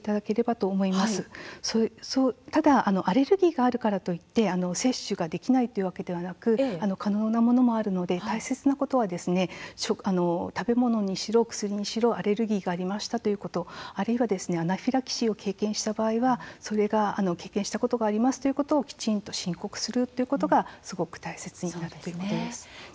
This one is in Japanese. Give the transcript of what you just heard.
ただアレルギーがあるからといって接種ができないというわけではなく可能なものもあるので大切なことは食べ物にしろ薬にしろアレルギーがありましたということ、あるいはアナフィラキシーを経験した場合経験したことがありますということをきちんと申告する